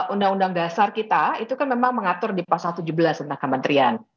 undang undang dasar kita itu kan memang mengatur di pasal tujuh belas tentang kementerian